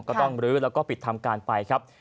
ก็ต้องลื้อแล้วก็ปิดทำการไปครับ